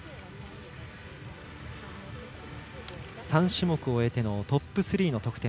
３種目終えてのトップ３の得点。